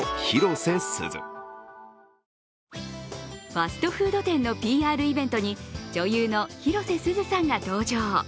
ファストフード店のＰＲイベントに女優の広瀬すずさんが登場。